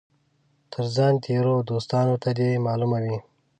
تر ځان تېرو دوستانو ته دي معلومه وي.